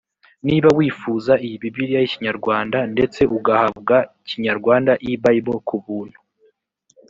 niba wifuza iyi bibiliya y i kinyarwanda ndetse ugahabwa kinyarwanda e bible ku buntu